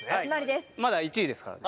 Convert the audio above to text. まだ１位ですから。